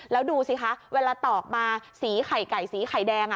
แล้วดูสิคะเวลาตอกมาสีไข่ไก่สีไข่แดง